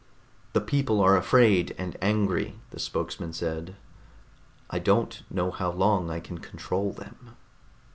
"The people are afraid and angry," the spokesman said. "I don't know how long I can control them."